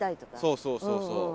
そうそうそうそう。